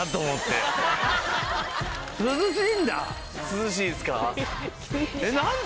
涼しいですか？